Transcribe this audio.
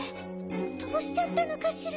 どうしちゃったのかしら？